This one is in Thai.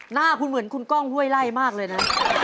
หน้าคุณเหมือนคุณก้องห้วยไล่มากเลยนะ